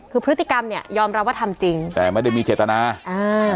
คือพฤติกรรมเนี้ยยอมรับว่าทำจริงแต่ไม่ได้มีเจตนาอ่า